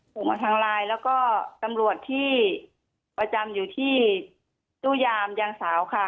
ส่งมาทางไลน์แล้วก็ตำรวจที่ประจำอยู่ที่ตู้ยามยางสาวค่ะ